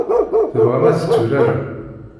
Tebɣam ad t-turarem?